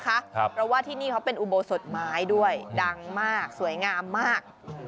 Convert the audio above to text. เพราะว่าที่นี่เขาเป็นอุโบสถไม้ด้วยดังมากสวยงามมาก